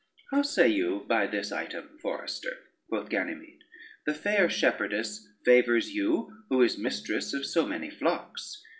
"How say you by this item, forester?" quoth Ganymede, "the fair shepherdess favors you, who is mistress of so many flocks.